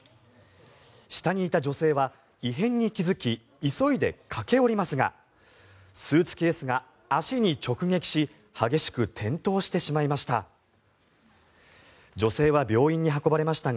下にいた女性は異変に気付き急いで駆け下りますがスーツケースが足に直撃し激しく転倒してしまいました。